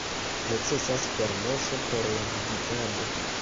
Necesas permeso por la vizitado.